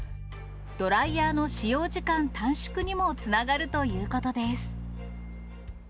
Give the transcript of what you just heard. ドライヤーの使用時間短縮にもつながるということです。